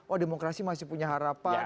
oh demokrasi masih punya harapan